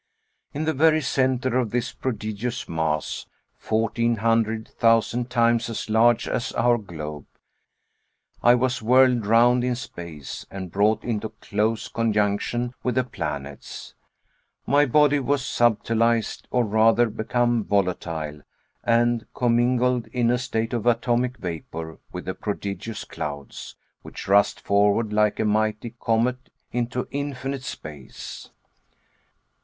In the very centre of this prodigious mass, fourteen hundred thousand times as large as our globe, I was whirled round in space, and brought into close conjunction with the planets. My body was subtilized, or rather became volatile, and commingled in a state of atomic vapor, with the prodigious clouds, which rushed forward like a mighty comet into infinite space!